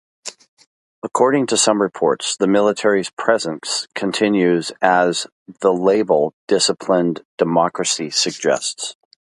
According to some reports, the military's presence continues as the label "disciplined democracy" suggests.